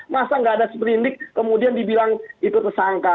masa nggak ada seprindik kemudian dibilang itu tersangka